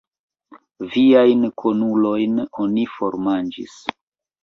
Viajn kunulojn oni formanĝis!